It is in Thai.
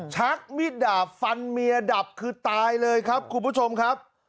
ชักมีดดาบฟันเมียดับคือตายเลยครับคุณผู้ชมครับ